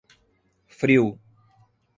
Frio